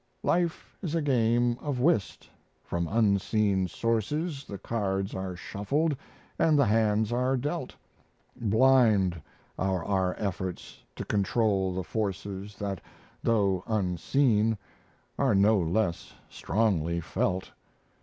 Life is a game of whist. From unseen sources The cards are shuffled, and the hands are dealt. Blind are our efforts to control the forces That, though unseen, are no less strongly felt.